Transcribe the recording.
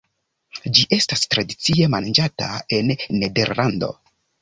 Ĝi estas tradicie manĝata en Nederlando.